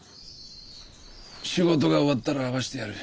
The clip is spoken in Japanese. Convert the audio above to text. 仕事が終わったら会わしてやる。